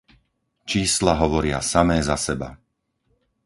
Čísla hovoria samé za seba.